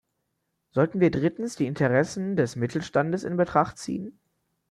Sollten wir drittens die Interessen des Mittelstandes in Betracht ziehen?